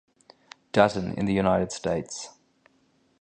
Dutton in the United States.